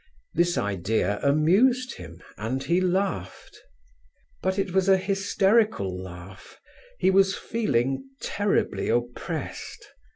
This idea amused him and he laughed. But it was a hysterical laugh; he was feeling terribly oppressed.